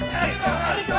jangan lari kau